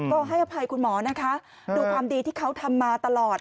ก็ให้อภัยคุณหมอนะคะดูความดีที่เขาทำมาตลอด